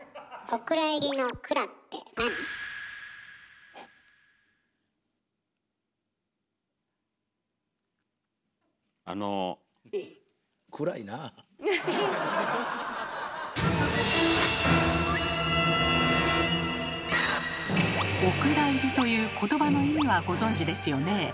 「お蔵入り」という言葉の意味はご存じですよね。